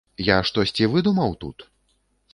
Я штосьці выдумаў тут?